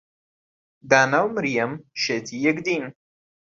دانا و مەریەم شێتی یەکدین.